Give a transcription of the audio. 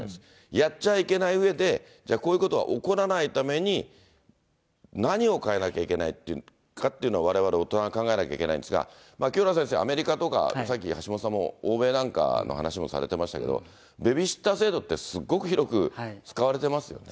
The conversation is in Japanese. やっちゃいけないうえで、こういうことが起こらないために、何を変えなきゃいけないかってわれわれ大人が考えなきゃいけないんですが、清原先生、アメリカとかさっき橋下さんも、欧米なんかの話もされてましたけど、ベビーシッター制度って、すっごく広く使われてますよね。